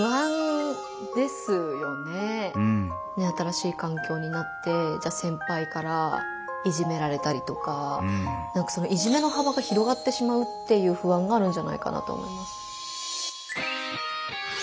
新しい環境になってじゃ先輩からいじめられたりとかいじめの幅が広がってしまうっていう不安があるんじゃないかなと思います。